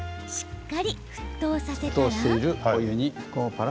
しっかり沸騰させたら。